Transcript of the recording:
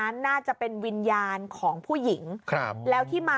ทางผู้ชมพอเห็นแบบนี้นะทางผู้ชมพอเห็นแบบนี้นะ